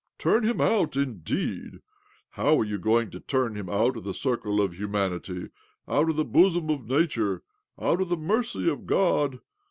Turn him out, indeed ! 'How are you going to turn him out of the circle of humanity, out of the bosom of Nature, out of the mercy of God?